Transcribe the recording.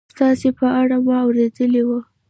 ستاسې په اړه ما اورېدلي و